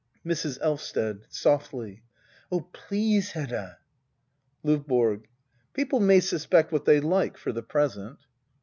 Mrs. Elvsted. [Softly.] Oh please, Hedda ! LdVBORO. People may suspect what they like — for the present.